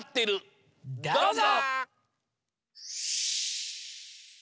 どうぞ！